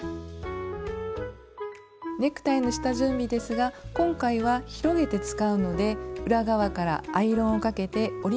ネクタイの下準備ですが今回は広げて使うので裏側からアイロンをかけて折り目を伸ばします。